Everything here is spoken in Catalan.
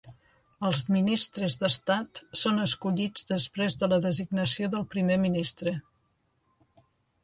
Els Ministres d'Estat són escollits després de la designació del Primer Ministre.